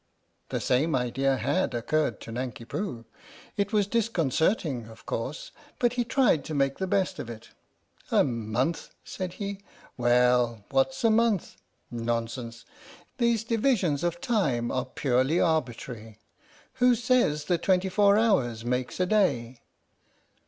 " The same idea had occurred to Nanki Poo. It was disconcerting, of course, but he tried to make the best of it. "A month?" said he. "Well, what's a month? Nonsense. Thesedivisionsoftimearepurelyarbitrary. Who says that twenty four hours make a day?